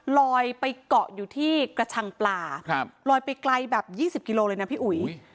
ลอยไปเกาะอยู่ที่กระชังปลาลอยไปไกลแบบ๒๐กิโลเลยนะพี่อุ๋ย